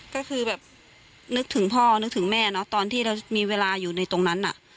ก็คือแบบนึกถึงพ่อนึกถึงแม่เนอะตอนที่เรามีเวลาอยู่ในตรงนั้นน่ะ